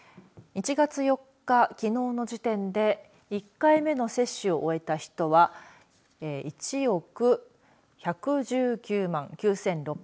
１月４日きのうの時点で１回目の接種を終えた人は１億１１９万９６９５